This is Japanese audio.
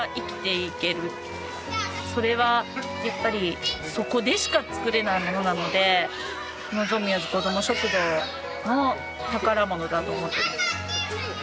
それはやっぱりそこでしか作れないものなのでぞんみょうじこども食堂の宝物だと思ってます。